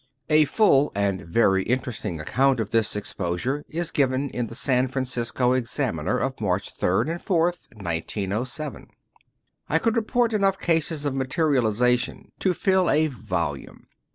A full and very interesting account of this exposure is given in the San Francisco Examiner of March 3 and 4, 1907. ••••• I could report enough cases of materialization to fill a volume.